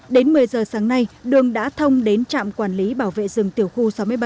đến một mươi giờ sáng nay đường đã thông đến trạm quản lý bảo vệ rừng tiểu khu sáu mươi bảy